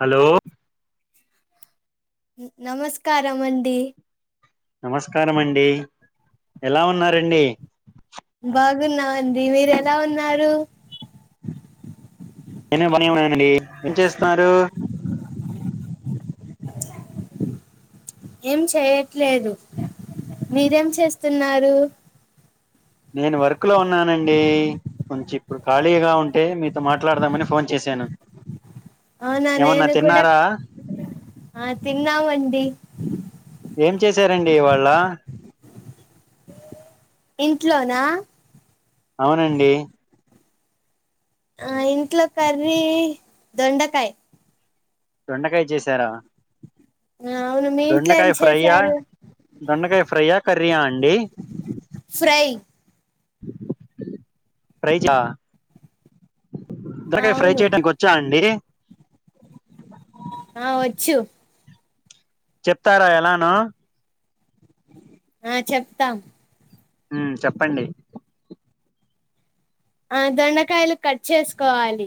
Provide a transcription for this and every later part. Hello నమస్కారం అండి. నమస్కారం అండి. ఎలా ఉన్నారండి? బాగున్నామండి. మీరు ఎలా ఉన్నారు? నేను బానే ఉన్నానండి ఏం చేస్తున్నారు? ఏం చేయట్లేదు. మీరేం చేస్తున్నారు. నేను వర్క్ లో ఉన్నానండి. కొంచెం ఇప్పుడు ఖాళీగా ఉంటే మీతో మాట్లాడదామని ఫోన్ చేశాను. అవునా ఏమన్నా నేను కూడా తిన్నారా ఆ తిన్నామండీ. ఏం చేశారండి ఇవాళ? ఇంట్లోనా అవునండి ఆ ఇంట్లో కర్రీ దొండకాయ. దొండకాయ చేసారా ఆ, అవును మీ ఇంట్లో దొండకాయ ఏం ఫ్రై యా? చేశారు దొండకాయ ఫ్రై యా? కర్రీయా అండి. ఫ్రై ఫ్రై యా? ఆ, దొండకాయ ఫ్రై అవును చేయడానికి వచ్చా అండి? ఆ వచ్చు. చెప్తారా ఎలానో? ఆ చెప్తాం. మ్ చెప్పండి. ఆ దొండకాయలు కట్ చేసుకోవాలి.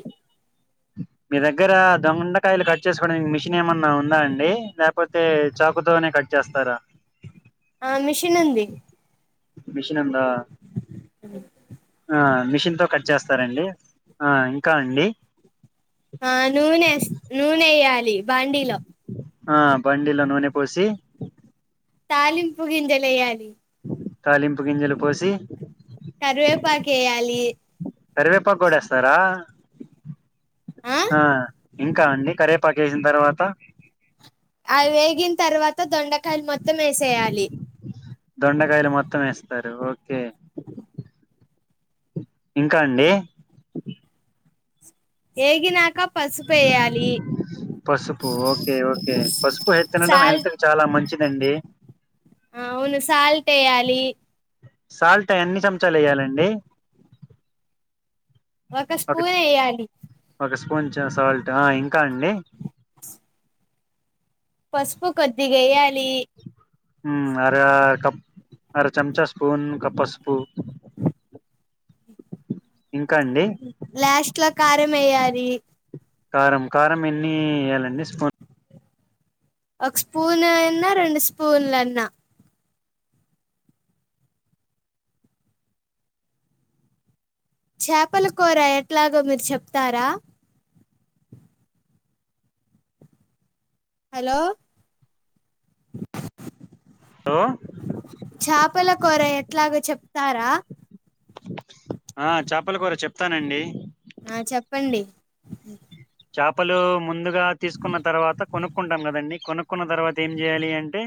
మీ దగ్గర దొండకాయలు కట్ చేసుకోవడానికి మిషన్ ఏమన్నా ఉందా అండి? లేకపోతే చాకుతోనే కట్ చేస్తారా? ఆ మెషిన్ ఉంది. మిషన్ ఉంది. ఉ [inaudible] ఆ మిషన్ తో కట్ చేస్తారా అండి? ఆ ఇంకా అండి. ఆ నూనె వేయాలి బాండీలో ఆ బాండీ లో నూనె పోసి తాలింపు గింజెలేయ్యాలి. తాలింపు గింజలు పోసి కరివేపాకు వేయాలి కరివేపాకు కూడా వేస్తారా ఆ ఇంకా అండి కరివేపా కు వేసిన తర్వాత అవి వేగిన తర్వాత దొండకాయలు మొత్తం వేసేయాలి దొండకాయలు మొత్తం వేస్తారు ఓకే ఇంకా అండి ఏగినాక పసుపేయాలి పసుపు ఓకే ఓకే పసుపు ఎత్తినండి హెల్త్ సాల్ట్ కి చాలా మంచిదండి అవును సాల్ట్ వేయాలి సాల్ట్ ఎన్ని చంచాలు వేయాలండి ఒక స్పూన్ వేయాలి ఒక స్పూన్ సాల్ట్ ఆ ఇంకా అండి పసుపు కొద్దగ వేయ్యాలి ఉమ్ అర కప్ అర చెంచ స్పూన్ కప్ పసుపు ఇంకా అండి లాస్ట్ లో కారం వేయ్యాలి కారం కారం ఎన్ని వేయాలండి స్పూన్ ఒక స్పూన్ అన్నా రెండు స్పూన్లన్న చేపల కూర ఎట్లాగో మీరు చెప్తారా హలో హలో చేపల కూర ఎట్లాగో చెప్తారా ఆ చేపల కూర చెప్తానండి ఆ చెప్పండి చేపలు ముందుగా తీసుకున్న తర్వాత కొనుక్కుంటాం కదండి కొనుక్ కున్న తర్వాత ఏం చేయాలి అంటే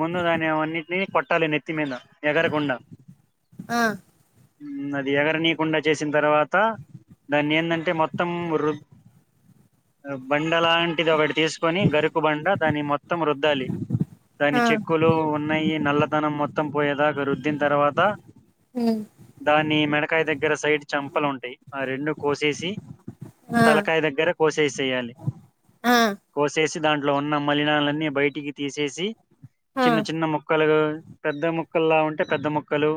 ముందు దాని అవన్నిటిని కొట్టాలి నెత్తి మీద ఎగరకుండా ఆ ఉమ్ అది ఎగరనీకుండా చేసిన తర్వాత దాన్ని ఏంటంటే మొత్తం రు బండ లాంటిది ఒకటి తీసుకొని గరుకు బండ దాని మొత్తం మొత్తం రుద్దాలి దాని ఆ చెక్కులు ఉన్నాయి నల్లదనం మొత్తం మోత్తం పోయేదాగా రుద్దిన తర్వాత ఉమ్మ్ దాన్ని మెడకాయ దగ్గర సైడ్ చెంపల్లు ఉంటాయి ఆ రెండు కోసేసి ఆ తలకాయ దగ్గర కోసేసేయాలి ఆ కోసేసి దాంట్లో ఉన్న మలినాలన్నీ బయటికి తీసేసి ఆ చిన్న చిన్న మొక్కలుగా పెద్ద ముక్కల్లా ఉంటే పెద్ద మొక్కలు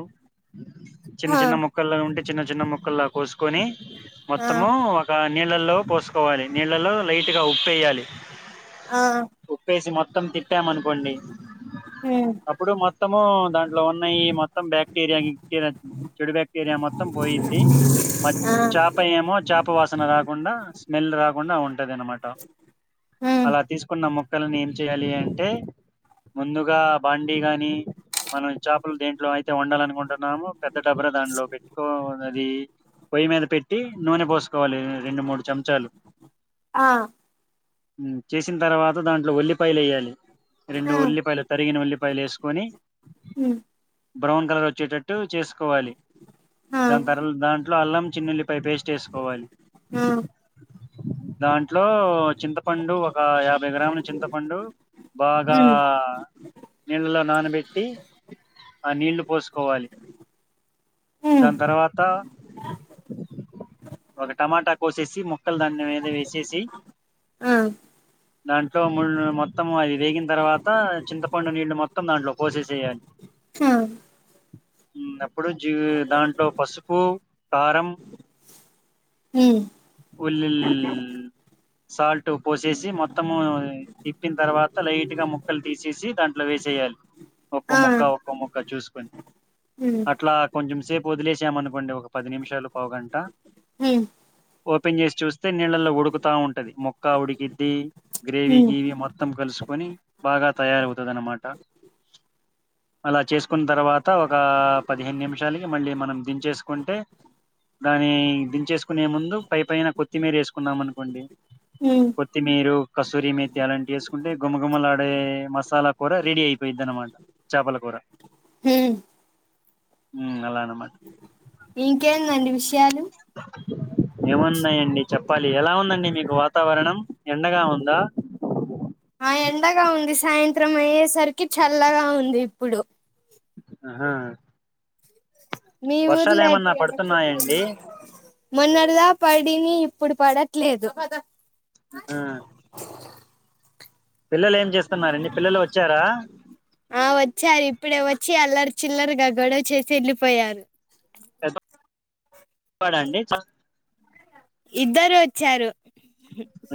చిన్న ఆ చిన్న మొక్కల్లా ఉంటే చిన్న చిన్న మొక్కలా కొసుకొని ఆ మొత్తము ఒక నీళ్ళలో పోసు కోవాలి నీళ్ళలో లైట్గా ఉప్పు వేయాలి ఆ ఉప్పేసి మొత్తం తిప్పం అనుకోండి ఉమ్ అప్పుడు మొత్తము దా లో ఉన్నయి మొత్తం బాక్టీరియా గిక్ట్రీయా చెడు బాక్టీరియా మొత్తం పోయిద్ది మ ఆ చాప ఏమో చేప వాసన రాకుండా స్మెల్ రాకుండా ఉంటది అనమాట ఉమ్ అలా తీసుకున్న ము ముక్కలను ఏం చేయాలి అంటే ముందుగా బాండీ గాని మనం చేపలు దేంట్లో అయితే వండాలనుకుంటున్నామో పెద్ద డబర దాంట్లో పెట్టుకోవాలి పొయ్యి మీద పెట్టి, నూనె పోసుకోవాలె రెండు, మూడు చంచాలు. ఆహ్. చేసిన తర్వాత దాంట్లో ఉల్లిపాయలు వెయ్యాలి. రెండు ఆ ఉల్లిపాయలు, తరిగిన ఉల్లిపాయలు వేసుకొని. ఉమ్ బ్రౌన్ కలర్ వచ్చేటట్టు చేసుకోవాలి. ఆ దాని తర్ దాంట్లో అల్లం, చిన్న ఎల్లిపాయ పేస్ట్ వేసుకోవాలి. ఆ దాంట్లో చింతపండు, ఒక యాభై గ్రాముల చింతపండు. బాగా ఉమ్ నీళ్ళలో నానబెట్టి, ఆ నీళ్లు పోసుకోవాలి. ఉమ్ దాని తరవాత, ఒక టమాటా కోసేసి మ్ క్కల్ దాని మీద వేసెసి. ఆ దాంట్లో ముల్లు, మొత్తం అది వేగిన తరవావాత చింతపండు నీళ్లు మొత్తం దాంట్లో పోసేసేయాలి. డ్ హు మ్ అప్పుడు జీ దాంట్లో పసుపు, కారం, హ్మ్ ఉల్లిల్ సాల్ట్ పోసేసి మొత్తము తిప్పిన తరవాత లైట్ గా ముక్కలు తీసేసి, దాన్ అట్లా వేసేయాలి. ఒక్కో ముక్క, ఒక్కో ముక్క, చూసుకొని. హ్మ్ అట్లా కొంచెం సేపు వదిలేసాము అనుకోండి, ఒక పది నిమిషాలు, పావుగంట. హమ్ ఓపెన్ చేసి చూస్తే, నీళ్ళలో ఉడుకుతా ఉంటది, మొక్క ఉడికిద్ది. గ్రేవీ, ఉమ్ గీవి మొత్తం కలుసుకొని, బాగా తయారవుతది అన్నమాట. అలా చేసుకున్న తరవాత, ఒక పదిహేను నిమిషాలకి మళ్ళీ మనం దించేసుకుంటే. దాన్ని దించేసుకునే ముందు పై పైన కొత్తిమీర వేసుకున్నాం అనుకోండి. హ్మ్ కొత్తిమీరు, కసూరి మేతి అలాంటి వేసుకుంటే గుమగుమలాడే మసాలా కూర రెడీ అయిపోయిది అనమాట. చాపల కూర. హ్మ్ మ్ అలా అనమాట. ఇంకేంది అండి విషయాలు. ఏమున్నాయండి చెప్పాలి. ఎలా ఉందండి మీకు వాతావరణం, ఎండగా ఉందా. ఆ ఎండగా ఉంది. సాయంత్రం అయ్యేసరికి చల్లగా ఉంది ఇప్పుడు. హా మీ ఊర్లో ఏమన్నా అయితయా చెప్పు. పడుతున్నాయండి మొన్నడదా పడిని, ఇప్పుడు పడట్లేదు. హా పిల్లలు ఏం చేస్తున్నారండి? పిల్లలు వచ్చారా. ఆ వచ్చారు. ఇప్పుడే వచ్చి అల్లరి చిల్లరగా గొడవ చేసి ఎళ్ళిపోయారు. పడండి. ఇద్దరు ఒచ్చారు.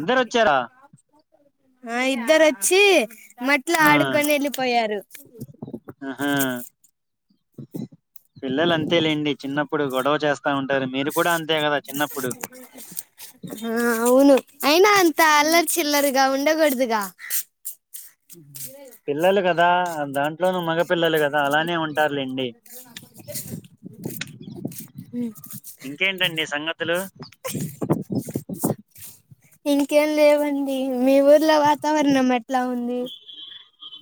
ఇద్దరు ఒచ్చారా? ఆ ఇద్దరు వచ్చి, మట్లో ఆడుకొని, ఎళ్ళిపోయారు. అహా పిల్లలు అంతే లేండి చిన్నప్పుడు గొడవ చేస్తా ఉంటారు మీరు కూడా అంతే కదా చిన్నప్పుడు ఆ అవును అయినా అంత ఉమ్, అల్లరి చిల్లరిగా ఉండకూడదుగా హ్మ్ పిల్లలు కదా దాం ఇట్లోను మగపిల్లలు కదా అలానే ఉంటారులేండి ఇంకేంటండి సంగతులు ఇంకేం లేవండి మీ ఊర్లో వాతావరణం ఎట్లా ఉంది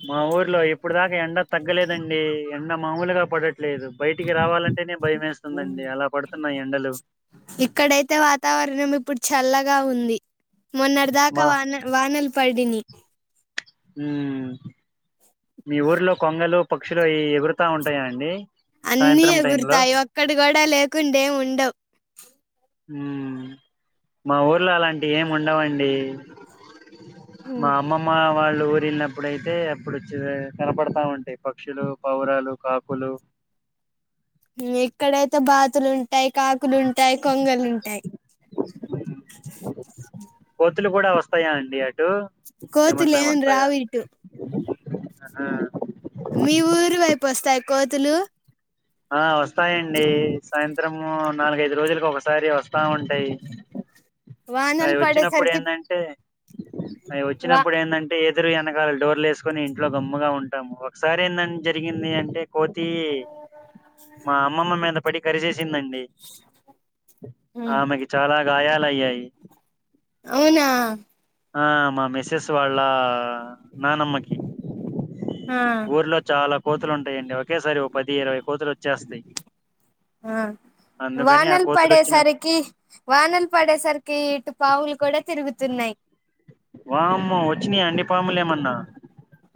మా ఊర్లో ఇప్పుడు దాకా ఎండ తగ్గలేదండి ఎండ మామూలుగా పడట్లేదు బయటికి రావాలంటేనే భయం వేస్తుందండి అలా పడుతున్నాయి ఎండలు ఇక్కడైతే వాతావరణం ఇప్పుడు చల్లగా ఉంది మొన్నటి దాకా మా వాన వానలు పడినాయ్ ఉ మీ ఊర్లో కొంగలు పక్షులు ఈ ఎగురు తా ఉంటాయా అండి సాయంత్రం టైం లో ఒక్కటీ కూడా లేకుండేం ఉండవు హ్మ్ మా ఊర్లో అలాంటివి ఏమి ఉండవండి మా అమ్మ మా వాళ్ళు ఊరి వెళ్ళినప్పుడయితే అప్పుడు కనపడతా ఉంటాయి పక్షులు పౌరాలు కాకులు ఎక్కడైతే బాతులు ఉంటాయి కాకులుంటాయి కొంగలుంటాయి కోతులు కూడా వస్తాయా అండి అటు కొతులు ఏమన్నా ఎం వస్తాయా రావు ఇటు ఆహా మీ ఊరు వైపు వస్తాయి కోతులు ఆ వస్తాయండి సాయంత్రము నాలుగైదు రోజులకు ఒకసారి వస్తా ఉంటాయి అవి వానలు వచ్చినప్పుడు పడేసరికి ఏంటంటే అవి వా వచ్చినప్పుడు ఏంటంటే ఎదురు వెనకాల డోర్లు వేసుకుని ఇంట్లో గమ్ముగా ఉంటాము ఒకసారి ఏంద జరిగింది అంటే కోతి మా అమ్మమ్మ మీద పడి కరిసేసిందండి ఆమెకి చాలా గాయలయ్యాయి అవునా ఆ మా మిస్సెస్ వాళ్ళ నానమ్మకి ఆ ఊర్లో చాలా కోతులు ఉంటాయండి ఒకేసారి ఓ పది ఇరవై కోతులు వచ్చేస్తాయి ఆ అందుకని ఆ వానలు కోతులు వచ్చిన పడేసరికి వానలు పడేసరికి ఇటు పాములు కూడా తిరుగుతున్నాయి వామ్మో వచ్చినయా అండి పాములేమన్నా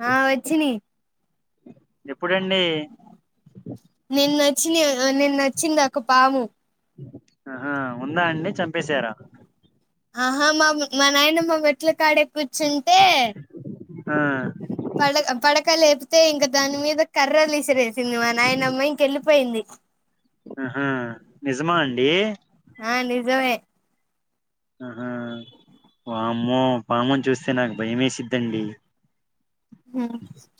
ఆ వచ్చినయి ఎప్పుడండి నిన్నా వచ్చినాయ్ నిన్నా వచ్చింది ఒక ఒక పాము ఆహా ఉందా అండి చంపేశారా ఆహా మా మా నాయానమ్మ మెట్ల కాడే కూర్చుంటే ఆహ్ పడక పడక లేపితే ఇంక దాని మీద కర్రలు విసిరేసింది మా నైనమ్మా ఇంకెళ్ళి పోయింది ఉహు నిజమా అండి ఆ నిజమే ఆహా పామ్మో పాముని చూస్తే నాకు భయం వేసిద్దండి హ్మ్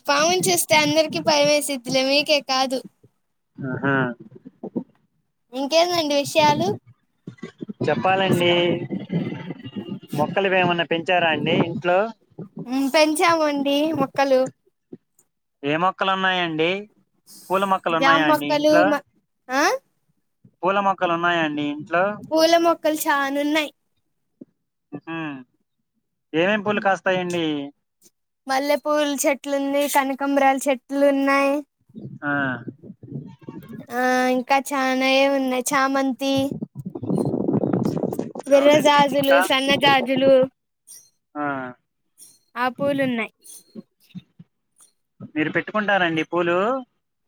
పాముని చూస్తే అందరికి భయం వేసిద్లే మీకే కాదు ఆహా ఇంకేందండి విషయాలు చెప్పాలండి మొక్కలు ఇవి ఏమన్నా పెంచారా అండి ఇంట్లో ఉం పెంచామండి మొక్కలు ఏ మొక్కలు ఉన్నాయంండి పూల మొక్కలు జామ ఉన్నాయండి మొక్కలు ఇంట్లో ఆ పూల మొక్కలు ఉన్నాయండి ఇంట్లో పూల మొక్కలు చానా ఉన్నాయి హు ఏం పూలు కాస్తాయండి మల్లెపూల చెట్లు ఉంది కనకాంబరాం చెట్లు ఉన్నాయి ఆ ఆ ఇంకా చానాయె ఉన్నాయి చామంతి విర్ర అవునండి జాజులు ఇంకా సన్న జాజులు ఆ ఆ పూలున్నాయి మీరు పెట్టుకుంటారండి పూలు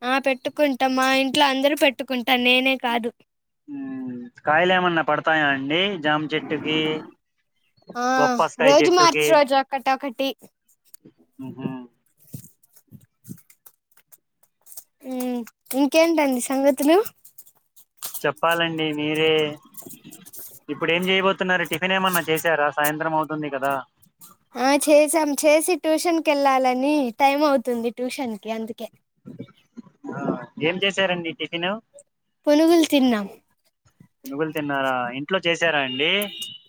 ఆ పెట్టుకుంటాం మా ఇంట్లో అందరూ పెట్టుకుంటారు నేనే కాదు కాయలు ఏమన్నా పడతాయా అండి జామ చెట్టుకి ఆ బొప్పస్కాయ రోజు మార్చి చెట్టుకి రోజు ఒక్కటొక్కటి ఉహు హ్మ్ ఇంకేంటండి సంగతులు చెప్పాలండి మీరే ఇప్పుడు ఏం చేయబోతున్నారు టిఫిన్ ఏమన్నా చేశారా సాయంత్రం అవు తుంది కదా ఆ చేసాం చేసి ట్యూషన్ కెళ్ళాలని టైం అవుతుంది ట్యూషన్ కి అందుకే ఆ ఏం చేశారండి టిఫిన్ పనుగులు తిన్నా పునుగులు తిన్నారా ఇంట్లో చేసారా అండి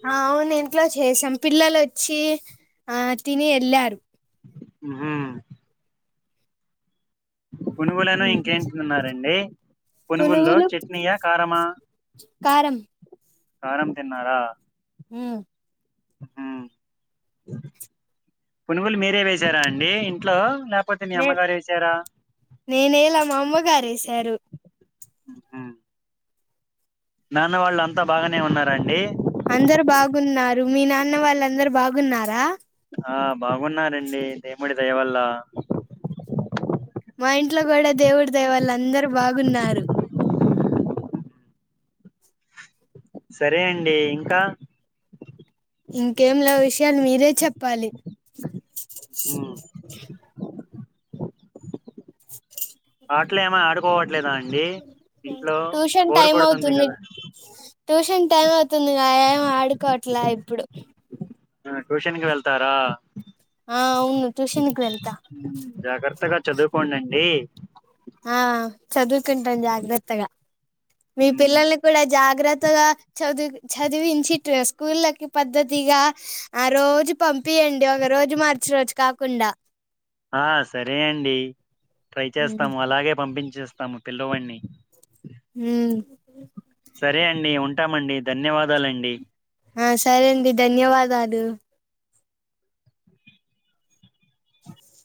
ఆ అవును ఇంట్లో చేసాం పిల్లలు వచ్చి ఆ తిని వెళ్ళారు ఉహు పునుగులను ఇంకేం తిన్నారండి పనుగుల్లో పునుగులు చట్నీయా కారమా కారం కారం తిన్నారా హ్మ్ ఉం పునుగులు మీరే వసారా అండి ఇంట్లో లేప్ కపోతే మీ అమ్మగారు వెసారా నేనేయల మా అమ్మగారు వేశారు ఉ నాన్న వాళ్ళు అంతా బాగానే ఉన్నారండి అందరు బాగున్నారు మీ నాన్న వాళ్ళ అందరు బాగున్నారా ఆహ్ బాగున్నారండి దేవుడి దయ వల్ల మా ఇంట్లో కూడా దేవుడి దయ వళ్ళ అందరు బాగున్నారు సరే అండి ఇంకా ఇంకేం లే విషయాలు మీరే చెప్పాలి ఉ [unintelligible] ఆటలు ఏమి ఆడుకోవట్లేదా అండి ఇంట్లో ట్యూషన్ బోరు టైం కొడుతుంది అవుతుంది కదా ట్యూషన్ టైం అవుతుందిగా ఏం ఆడుకోవట్లా ఇప్పుడు ట్యూషన్ కి వెళ్తారా ఆ అవును ట్యూషన్ కి వెళ్తా [inaudible] జాగ్రత్తగా చదువుకోండండి ఆ చదువుకుంటాను జాగ్రత్తగా మీ పిల్లల్ని కూడా జాగ్రత్తగా చదువు చదివించి స్కూళ్ళకి పద్ధతిగా ఆ రోజు పంపియండి ఒక రోజు మార్చి రోజు కాకుండా ఆ సరే అండి ట్రై ఉ చేస్తాము అలాగే పంపించేస్తాము పిల్లవాడిని హ్మ్ సరే అండి ఉంటామండి ధన్యవాదాలండి ఆ సరే అండి ధన్యవాదాలు